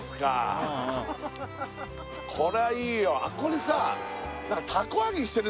これはいいよああいる